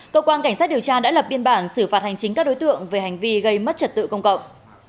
cơ quan cảnh sát điều tra đã lập biên bản xử phạt hành chính các đối tượng về hành vi gây mất trật tự công cộng